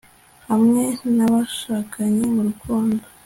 hamwe nabashakanye murukundo